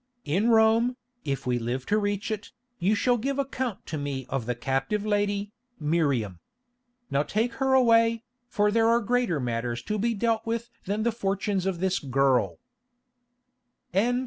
In Rome, if we live to reach it, you shall give account to me of the captive lady, Miriam. Now take her away, for there are greater matters to be dealt with than the fortunes of this girl."